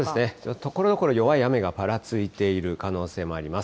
ところどころ弱い雨がぱらついている可能性もあります。